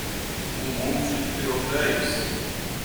Um monte de hotéis